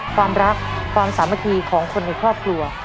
ความรักความสามัคคีของคนในครอบครัว